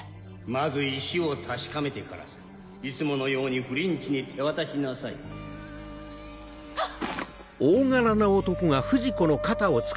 ・まず石を確かめてからさ・・いつものようにフリンチに手渡しなさい・ハッ！